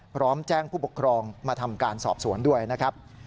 พร้อมแจ้งผู้ปกครองมาทำการสอบสวนด้วยนะครับ